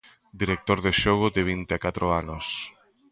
Director de xogo de vinte e catro anos.